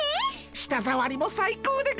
したざわりも最高でゴンス。